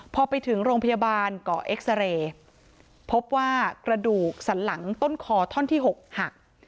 พอไปถึงโรงพยาบาลก่อเอ็กซาเรย์พบว่ากระดูกสันหลังต้นคอท่อนที่๖หัก